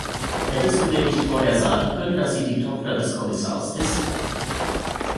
Hättest du mir nicht vorher sagen können, dass sie die Tochter des Kommissars ist?